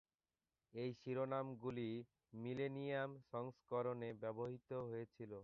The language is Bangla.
এই শিরোনামগুলি "মিলেনিয়াম সংস্করণে" ব্যবহৃত হয়েছিল।